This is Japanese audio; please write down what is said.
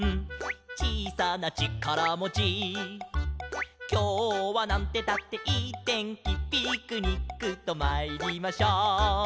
「ちいさなちからもち」「きょうはなんてったっていいてんき」「ピクニックとまいりましょう」